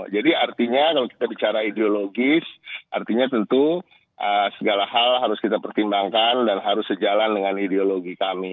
jadi artinya kalau kita bicara ideologis artinya tentu segala hal harus kita pertimbangkan dan harus sejalan dengan ideologi kami